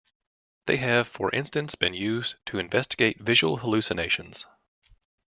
They have for instance been used to investigate visual hallucinations.